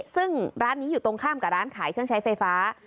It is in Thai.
ซึ่งร้านนี้อยู่ตรงข้ามกับร้านขายเครื่องใช้ไฟฟ้า